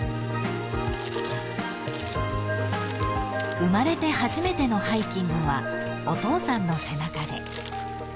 ［生まれて初めてのハイキングはお父さんの背中で］